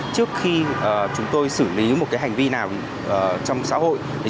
trước khi chúng tôi xử lý một hành vi nào trong xã hội